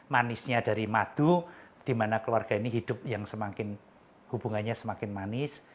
manisnya dari madu di mana keluarga ini hidup yang semakin hubungannya semakin manis